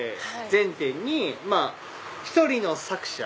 全店にまぁ１人の作者。